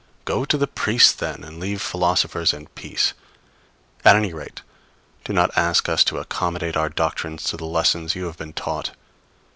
Go to the priests, then, and leave philosophers in peace! At any rate, do not ask us to accommodate our doctrines to the lessons you have been taught.